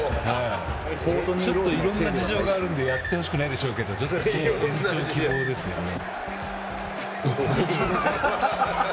ちょっといろんな事情があるんでやってほしくないでしょうけど延長希望ですね。